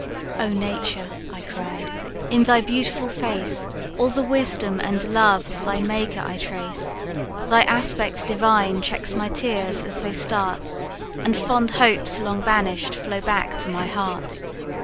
"'Oh nature!' I cried, 'in thy beautiful face All the wisdom and love of thy Maker I trace; Thy aspect divine checks my tears as they start, And fond hopes long banish'd flow back to my heart!'